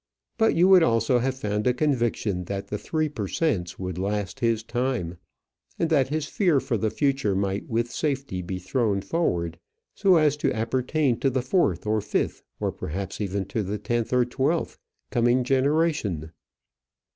But you would also have found a conviction that the Three per Cents. would last his time, and that his fear for the future might with safety be thrown forward, so as to appertain to the fourth or fifth, or, perhaps, even to the tenth or twelfth coming generation.